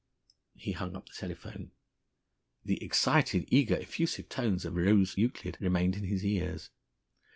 He hung up the telephone. The excited, eager, effusive tones of Rose Euclid remained in his ears.